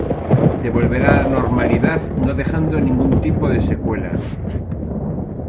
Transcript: Se volverá a la normalidad no dejando ningún tipo de secuela.